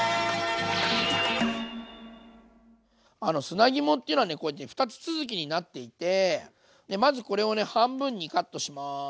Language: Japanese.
砂肝っていうのはこうやって二つ続きになっていてまずこれを半分にカットします。